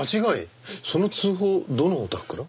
その通報どのお宅から？